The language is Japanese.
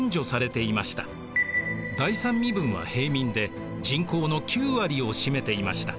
第三身分は平民で人口の９割を占めていました。